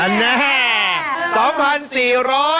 อันนี้อันนี้